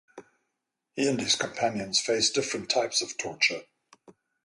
He and his companions faced different types of torture.